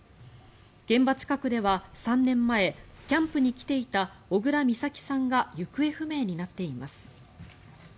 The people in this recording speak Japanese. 現場近くでは３年前キャンプに来ていた小倉美咲さんが行方不明になっています。